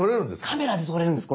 カメラで撮れるんですこれ。